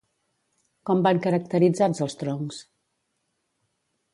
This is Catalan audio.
Com van caracteritzats els troncs?